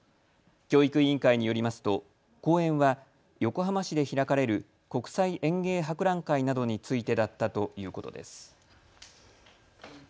教育委員会によりますと講演は横浜市で開かれる国際園芸博覧会などについてだったということです。